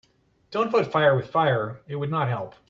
Don‘t fight fire with fire, it would not help.